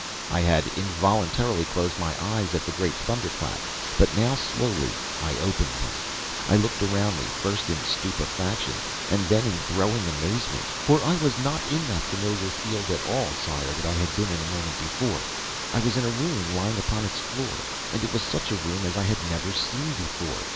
"I had involuntarily closed my eyes at the great thunderclap, but now, slowly, I opened them. I looked around me, first in stupefaction, and then in growing amazement. For I was not in that familiar field at all, sire, that I had been in a moment before. I was in a room, lying upon its floor, and it was such a room as I had never seen before.